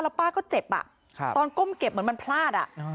ป้าก็เจ็บตอนก้มเก็บเหมือนมันพลาด